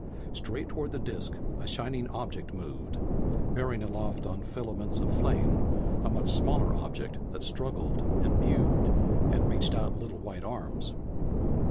Straight toward the disk a shining object moved, bearing aloft on filaments of flame a much smaller object that struggled and mewed and reached out little white arms.